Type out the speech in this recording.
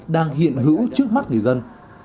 đang hiện hữu trước mắt người dân